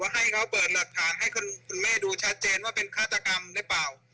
ให้เขาเปิดหลักฐานให้คุณแม่ดูชัดเจนว่าเป็นฆาตกรรมหรือเปล่า